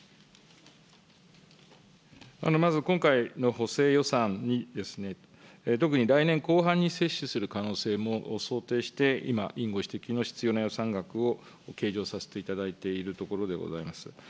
まず今回の補正予算に、特に来年後半に接種する可能性も想定して今、委員ご指摘の必要な予算額を計上させていただいているところでございます。